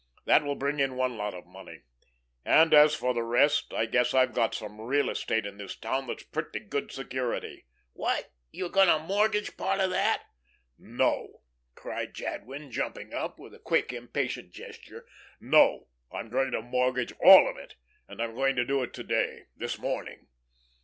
That will bring in one lot of money, and as for the rest, I guess I've got some real estate in this town that's pretty good security." "What you going to mortgage part of that?" "No," cried Jadwin, jumping up with a quick impatient gesture, "no, I'm going to mortgage all of it, and I'm going to do it to day this morning.